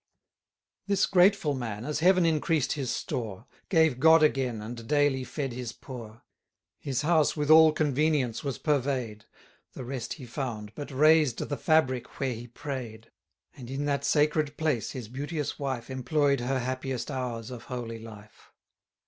This grateful man, as Heaven increased his store. Gave God again, and daily fed his poor. 940 His house with all convenience was purvey'd; The rest he found, but raised the fabric where he pray'd; And in that sacred place his beauteous wife Employ'd her happiest hours of holy life.